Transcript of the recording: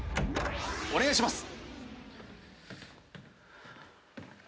お願いします！